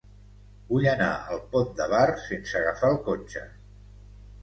Vull anar al Pont de Bar sense agafar el cotxe.